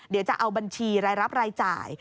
เดี๋ยวจะเอาบัญชีรายรับรายจ่าย